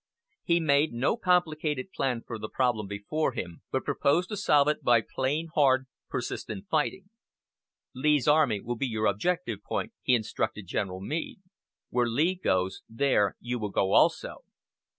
He made no complicated plan for the problem before him, but proposed to solve it by plain, hard, persistent fighting. "Lee's army will be your objective point," he instructed General Meade. "Where Lee goes there you will go also."